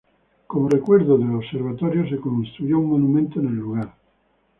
Como recuerdo del observatorio se construyó un monumento en el lugar.